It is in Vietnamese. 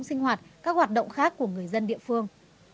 sinh hoạt các hoạt động khác của người dân địa phương